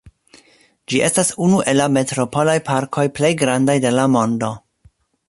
Ĝi estas unu el la metropolaj parkoj plej grandaj de la mondo.